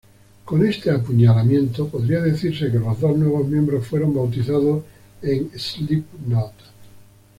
Con este apuñalamiento podría decirse que los dos nuevos miembros fueron "bautizados" en Slipknot.